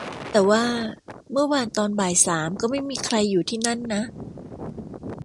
แต่ว่าเมื่อวานตอนบ่ายสามก็ไม่มีใครอยู่ที่นั่นนะ